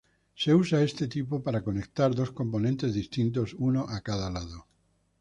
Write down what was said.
Se usa este tipo para conectar dos componentes distintos, uno a cada lado.